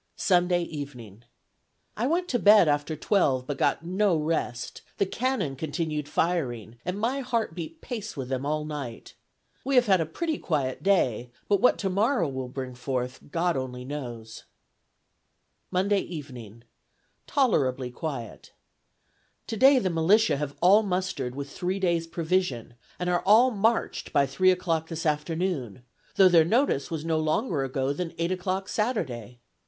Sunday evening. "I went to bed after twelve, but got no rest; the cannon continued firing, and my heart beat pace with them all night. We have had a pretty quiet day, but what tomorrow will bring forth, God only knows." "Monday evening. Tolerably quiet. Today the militia have all mustered, with three days' provision, and are all marched by three o'clock this afternoon, though their notice was no longer ago than eight o'clock Saturday.